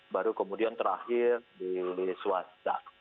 baru kemudian terakhir di swasta